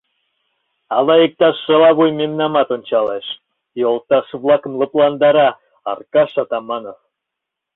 Ала иктаж шалавуй мемнамат ончалеш, — йолташ-влакым лыпландара Аркаш Атаманов.